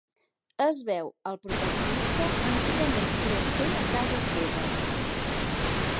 Es veu al protagonista enterament foraster a casa seva